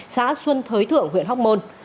xã xuân thới thượng huyện hóc môn